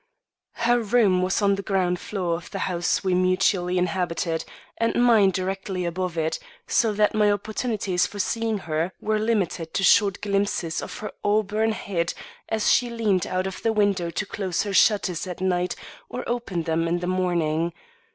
HER room was on the ground floor of the house we mutually inhabited, and mine directly above it, so that my opportunities for seeing her were limited to short glimpses of her auburn head as she leaned out of the window to close her shutters at night or open them in the morning.